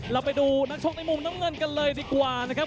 เราไปดูนักชกในมุมน้ำเงินกันเลยดีกว่านะครับ